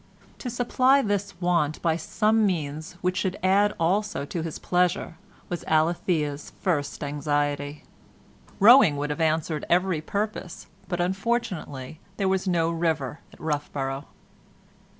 To supply this want by some means which should add also to his pleasure was Alethea's first anxiety. Rowing would have answered every purpose, but unfortunately there was no river at Roughborough.